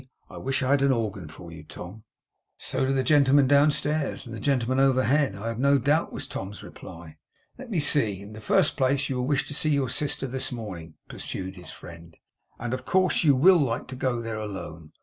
I wish I had an organ for you, Tom!' 'So do the gentlemen downstairs, and the gentlemen overhead I have no doubt,' was Tom's reply. 'Let me see. In the first place, you will wish to see your sister this morning,' pursued his friend, 'and of course you will like to go there alone.